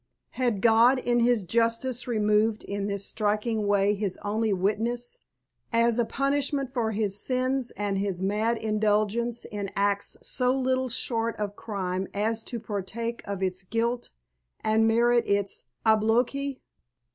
Had God in His justice removed in this striking way his only witness, as a punishment for his sins and his mad indulgence in acts so little short of crime as to partake of its guilt and merit its obloquy?